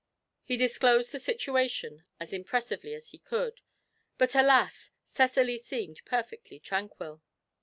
He disclosed the situation as impressively as he could; but, alas! Cecily seemed perfectly tranquil.